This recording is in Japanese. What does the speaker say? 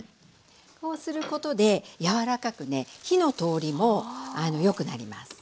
こうすることで柔らかく火の通りもよくなりますはい。